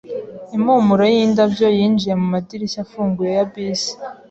Impumuro yindabyo yinjiye mu madirishya afunguye ya bisi.